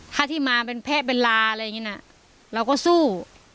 ถ้าที่มาเป็นแพะเป็นลาอะไรอย่างนี้นะเราก็สู้